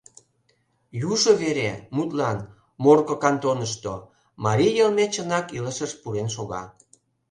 Южо вере, мутлан, Морко кантонышто, марий йылме чынак илышыш пурен шога.